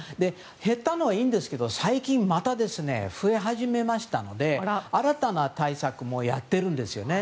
減ったのはいいんですけど最近また増え始めましたので新たな対策もやってるんですよね。